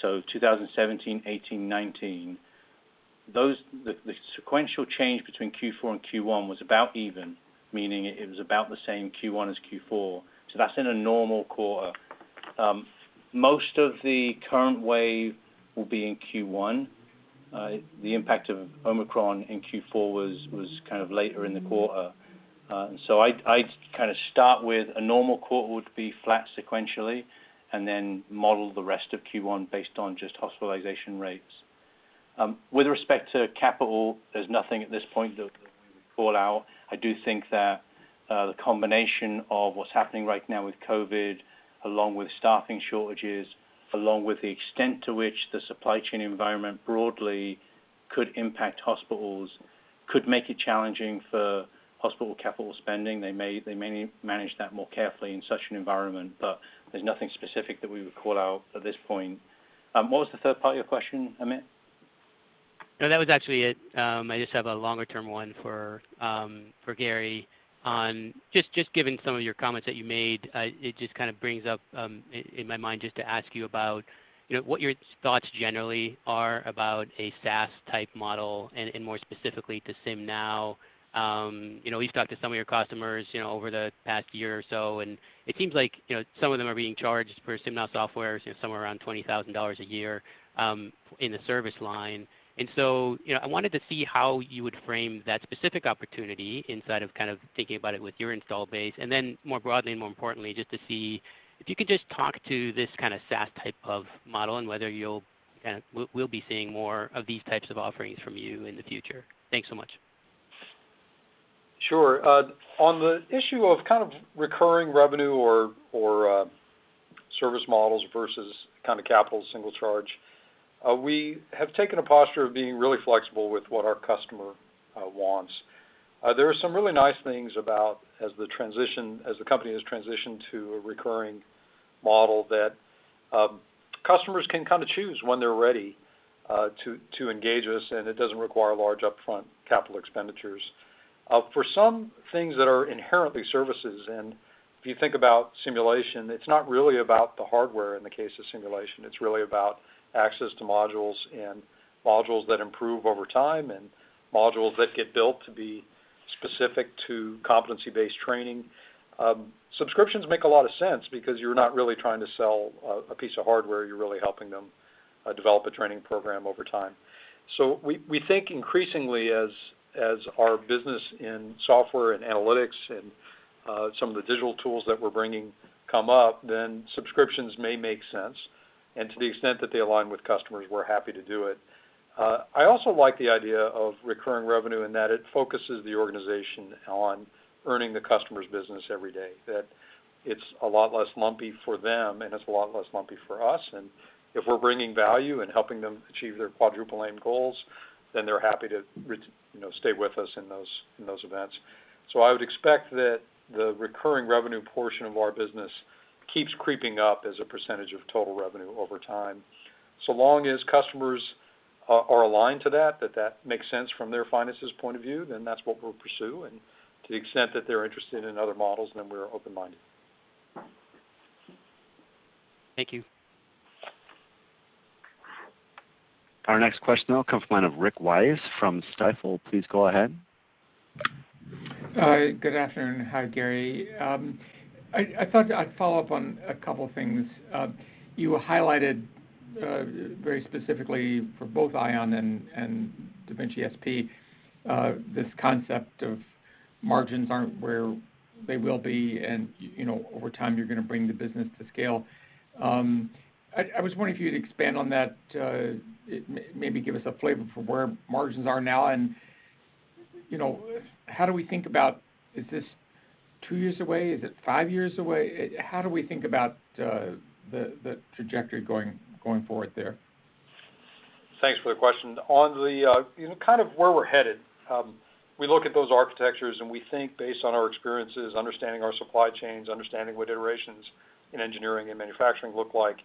so 2017, 2018, 2019, those, the sequential change between Q4 and Q1 was about even, meaning it was about the same Q1 as Q4. That's in a normal quarter. Most of the current wave will be in Q1. The impact of Omicron in Q4 was kind of later in the quarter. I'd kinda start with a normal quarter would be flat sequentially and then model the rest of Q1 based on just hospitalization rates. With respect to capital, there's nothing at this point that we would call out. I do think that the combination of what's happening right now with COVID, along with staffing shortages, along with the extent to which the supply chain environment broadly could impact hospitals, could make it challenging for hospital capital spending. They may manage that more carefully in such an environment, but there's nothing specific that we would call out at this point. What was the third part of your question, Amit? No, that was actually it. I just have a longer-term one for Gary on just given some of your comments that you made, it just kind of brings up in my mind just to ask you about, you know, what your thoughts generally are about a SaaS type model and more specifically to SimNow. You know, we've talked to some of your customers, you know, over the past year or so, and it seems like, you know, some of them are being charged for SimNow software, so somewhere around $20,000 a year in the service line. You know, I wanted to see how you would frame that specific opportunity inside of kind of thinking about it with your install base, and then more broadly and more importantly, just to see if you could just talk to this kinda SaaS type of model and whether we'll be seeing more of these types of offerings from you in the future. Thanks so much. Sure. On the issue of kind of recurring revenue or service models versus kinda capital single charge, we have taken a posture of being really flexible with what our customer wants. There are some really nice things about as the company has transitioned to a recurring model that customers can kind of choose when they're ready to engage us, and it doesn't require large upfront capital expenditures. For some things that are inherently services, and if you think about simulation, it's not really about the hardware in the case of simulation, it's really about access to modules and modules that improve over time and modules that get built to be specific to competency-based training. Subscriptions make a lot of sense because you're not really trying to sell a piece of hardware. You're really helping them develop a training program over time. We think increasingly as our business in software and analytics and some of the digital tools that we're bringing come up, then subscriptions may make sense. To the extent that they align with customers, we're happy to do it. I also like the idea of recurring revenue in that it focuses the organization on earning the customer's business every day, that it's a lot less lumpy for them, and it's a lot less lumpy for us. If we're bringing value and helping them achieve their Quadruple Aim goals, then they're happy to, you know, stay with us in those events. I would expect that the recurring revenue portion of our business keeps creeping up as a percentage of total revenue over time. Long as customers are aligned to that makes sense from their financial point of view, then that's what we'll pursue. To the extent that they're interested in other models, then we're open-minded. Thank you. Our next question now comes from the line of Rick Wise from Stifel. Please go ahead. Hi, good afternoon. Hi, Gary. I thought I'd follow up on a couple things. You highlighted very specifically for both Ion and da Vinci SP this concept of margins aren't where they will be, and, you know, over time you're gonna bring the business to scale. I was wondering if you'd expand on that to maybe give us a flavor for where margins are now. You know, how do we think about, is this two years away? Is it five years away? How do we think about the trajectory going forward there? Thanks for the question. On the, you know, kind of where we're headed, we look at those architectures, and we think based on our experiences, understanding our supply chains, understanding what iterations in engineering and manufacturing look like,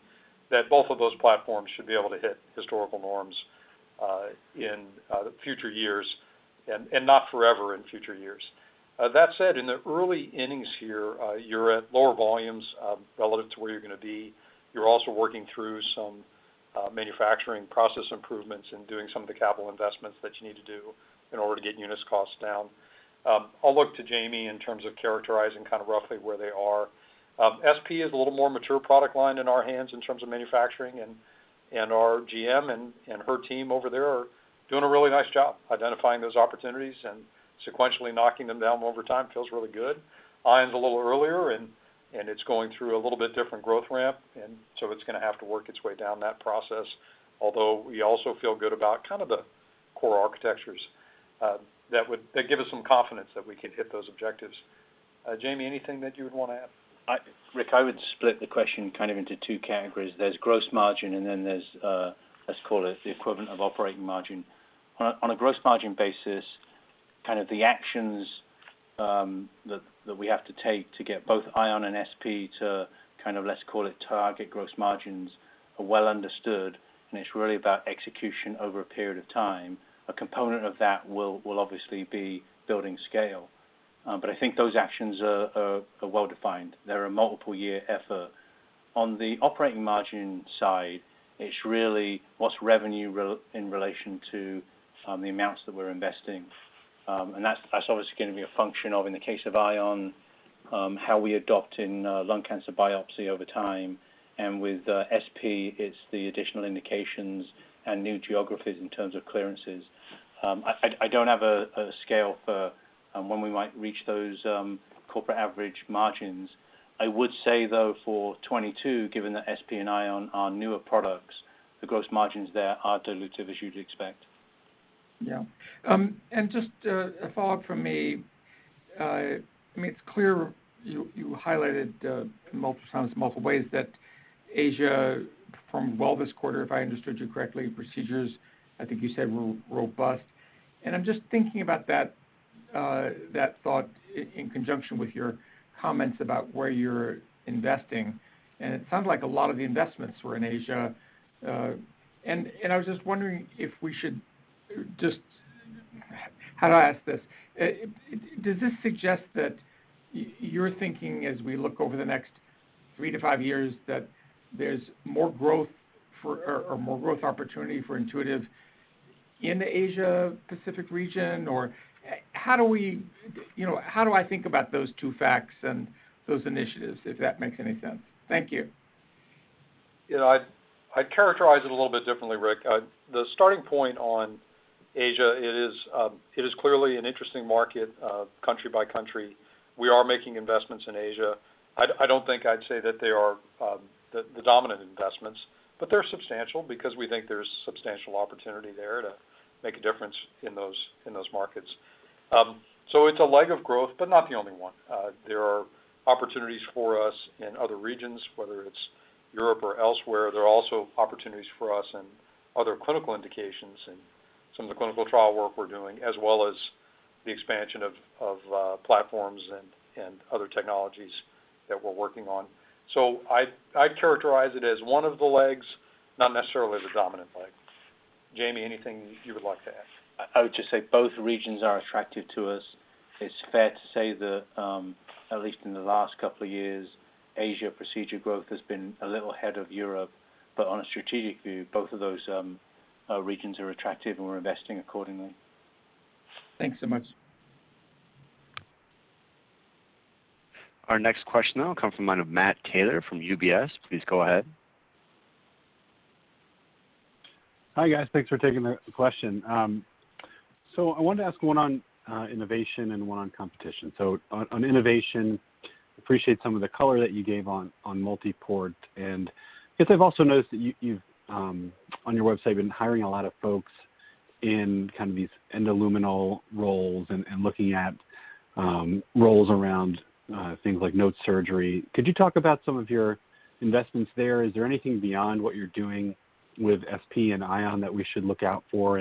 that both of those platforms should be able to hit historical norms, in future years and not forever in future years. That said, in the early innings here, you're at lower volumes, relative to where you're gonna be. You're also working through some manufacturing process improvements and doing some of the capital investments that you need to do in order to get unit costs down. I'll look to Jamie in terms of characterizing kind of roughly where they are. SP is a little more mature product line in our hands in terms of manufacturing, and our GM and her team over there are doing a really nice job identifying those opportunities and sequentially knocking them down over time. Feels really good. Ion's a little earlier, and it's going through a little bit different growth ramp, and so it's gonna have to work its way down that process. Although we also feel good about kind of the core architectures that give us some confidence that we could hit those objectives. Jamie, anything that you would wanna add? Rick, I would split the question kind of into two categories. There's gross margin, and then there's, let's call it the equivalent of operating margin. On a gross margin basis, kind of the actions that we have to take to get both Ion and SP to kind of, let's call it target gross margins, are well understood, and it's really about execution over a period of time. A component of that will obviously be building scale. I think those actions are well defined. They're a multiple year effort. On the operating margin side, it's really what's revenue in relation to the amounts that we're investing. That's obviously gonna be a function of, in the case of Ion, how we adopt in lung cancer biopsy over time. With SP, it's the additional indications and new geographies in terms of clearances. I don't have a scale for when we might reach those corporate average margins. I would say though, for 2022, given that SP and Ion are newer products, the gross margins there are dilutive as you'd expect. Yeah. A follow-up from me. I mean, it's clear you highlighted multiple times, multiple ways that Asia performed well this quarter, if I understood you correctly. Procedures, I think you said were robust. I'm just thinking about that thought in conjunction with your comments about where you're investing, and it sounds like a lot of the investments were in Asia. I was just wondering if we should just. How do I ask this? Does this suggest that you're thinking as we look over the next three to five years, that there's more growth for, or more growth opportunity for Intuitive in the Asia-Pacific region or how do we, you know, how do I think about those two facts and those initiatives, if that makes any sense? Thank you. You know, I'd characterize it a little bit differently, Rick. The starting point on Asia, it is clearly an interesting market, country by country. We are making investments in Asia. I don't think I'd say that they are the dominant investments, but they're substantial because we think there's substantial opportunity there to make a difference in those markets. So it's a leg of growth, but not the only one. There are opportunities for us in other regions, whether it's Europe or elsewhere. There are also opportunities for us in other clinical indications and some of the clinical trial work we're doing, as well as the expansion of platforms and other technologies that we're working on. So I'd characterize it as one of the legs, not necessarily the dominant leg. Jamie, anything you would like to add? I would just say both regions are attractive to us. It's fair to say that, at least in the last couple of years, Asia procedure growth has been a little ahead of Europe. On a strategic view, both of those regions are attractive, and we're investing accordingly. Thanks so much. Our next question now comes from the line of Matt Taylor from UBS. Please go ahead. Hi, guys. Thanks for taking the question. I wanted to ask one on innovation and one on competition. On innovation, I appreciate some of the color that you gave on multiport. I guess I've also noticed that you've been hiring a lot of folks on your website in kind of these endoluminal roles and looking at roles around things like node surgery. Could you talk about some of your investments there? Is there anything beyond what you're doing with SP and Ion that we should look out for?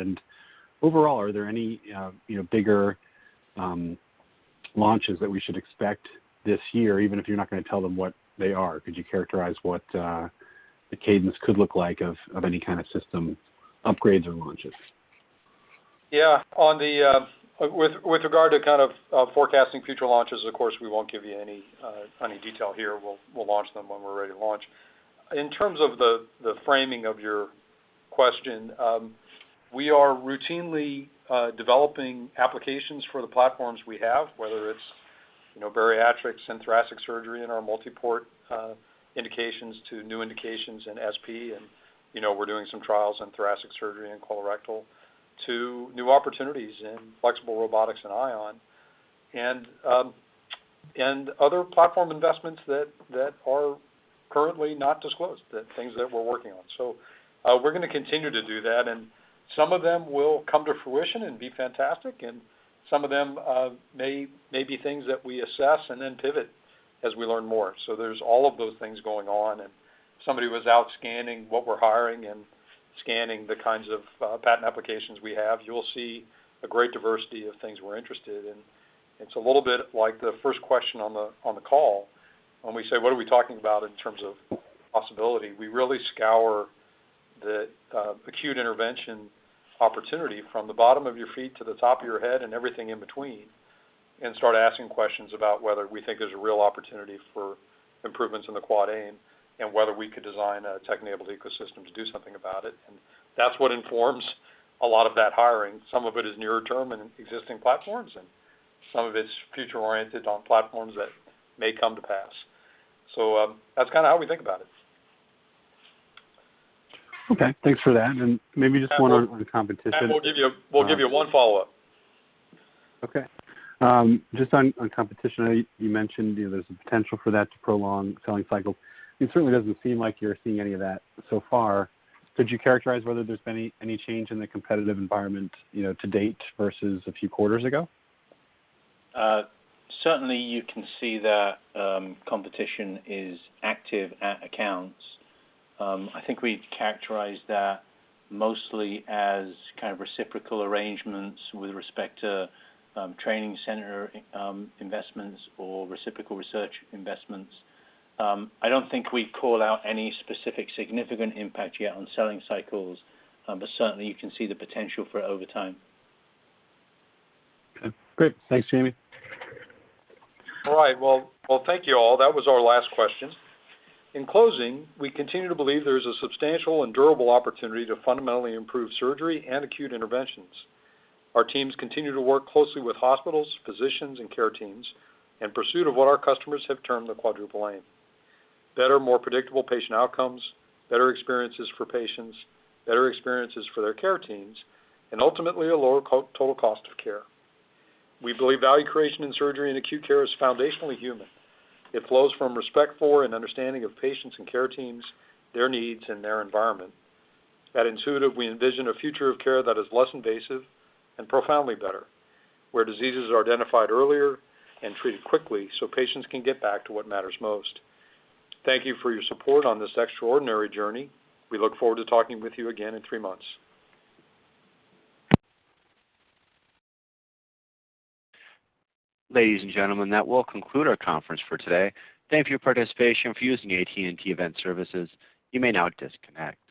Overall, are there any, you know, bigger launches that we should expect this year, even if you're not gonna tell them what they are? Could you characterize what the cadence could look like of any kind of system upgrades or launches? Yeah. With regard to kind of forecasting future launches, of course, we won't give you any detail here. We'll launch them when we're ready to launch. In terms of the framing of your question, we are routinely developing applications for the platforms we have, whether it's, you know, bariatrics and thoracic surgery in our multiport indications to new indications in SP. You know, we're doing some trials in thoracic surgery and colorectal to new opportunities in flexible robotics and Ion and other platform investments that are currently not disclosed, the things that we're working on. We're gonna continue to do that, and some of them will come to fruition and be fantastic, and some of them may be things that we assess and then pivot as we learn more. There's all of those things going on. If somebody was out scanning what we're hiring and scanning the kinds of patent applications we have, you'll see a great diversity of things we're interested in. It's a little bit like the first question on the call when we say, what are we talking about in terms of possibility? We really scour the acute intervention opportunity from the bottom of your feet to the top of your head and everything in between, and start asking questions about whether we think there's a real opportunity for improvements in the Quad Aim and whether we could design a tech-enabled ecosystem to do something about it. That's what informs a lot of that hiring. Some of it is nearer term and existing platforms, and some of it's future-oriented on platforms that may come to pass. That's kinda how we think about it. Okay. Thanks for that. Maybe just one on competition. We'll give you one follow-up. Okay. Just on competition, I know you mentioned, you know, there's a potential for that to prolong sales cycle. It certainly doesn't seem like you're seeing any of that so far. Could you characterize whether there's been any change in the competitive environment, you know, to date versus a few quarters ago? Certainly you can see that, competition is active at accounts. I think we'd characterize that mostly as kind of reciprocal arrangements with respect to, training center, investments or reciprocal research investments. I don't think we call out any specific significant impact yet on selling cycles, but certainly you can see the potential for it over time. Okay. Great. Thanks, Jamie. All right. Well, thank you all. That was our last question. In closing, we continue to believe there is a substantial and durable opportunity to fundamentally improve surgery and acute interventions. Our teams continue to work closely with hospitals, physicians, and care teams in pursuit of what our customers have termed the Quadruple Aim, better, more predictable patient outcomes, better experiences for patients, better experiences for their care teams, and ultimately a lower total cost of care. We believe value creation in surgery and acute care is foundationally human. It flows from respect for and understanding of patients and care teams, their needs and their environment. At Intuitive, we envision a future of care that is less invasive and profoundly better, where diseases are identified earlier and treated quickly so patients can get back to what matters most. Thank you for your support on this extraordinary journey. We look forward to talking with you again in three months. Ladies and gentlemen, that will conclude our conference for today. Thank you for your participation and for using AT&T Event Services. You may now disconnect.